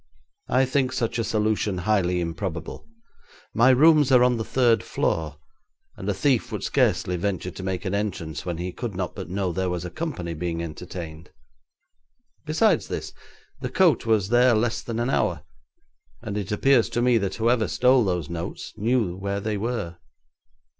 I think such a solution highly improbable. My rooms are on the third floor, and a thief would scarcely venture to make an entrance when he could not but know there was a company being entertained. Besides this, the coat was there less than an hour, and it appears to me that whoever stole those notes knew where they were.'